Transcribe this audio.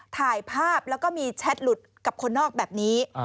ถ่ายภาพแล้วก็มีแชทหลุดกับคนนอกแบบนี้